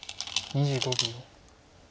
２５秒。